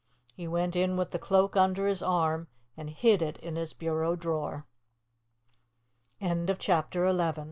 He went in with the cloak under his arm and hid it in his bureau drawer. CHAPTER XII BLIND MAN